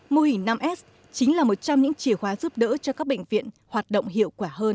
mô hình năm s chính là một trong những chìa khóa giúp đỡ cho các bệnh viện hoạt động hiệu quả hơn